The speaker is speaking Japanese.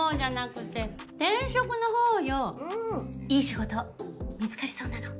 いい仕事見つかりそうなの？